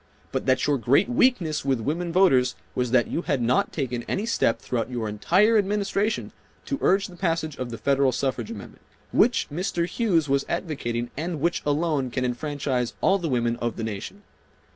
But that your great weakness with women voters was that you had not taken any step throughout your entire Administration to urge the passage of the Federal Suffrage Amendment, which Mr. Hughes was advocating and which alone can enfranchise all the women of the nation.